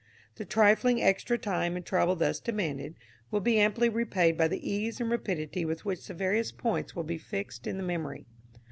The trifling extra time and trouble thus demanded will be amply repaid by the ease and rapidity with which the various points will be fixed in the memory.